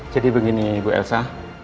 jadi begini ibu elsa